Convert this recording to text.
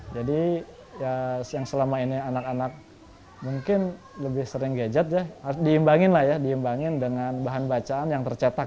jadi yang selama ini anak anak mungkin lebih sering gadget harus diimbangin dengan bahan bacaan yang tercetak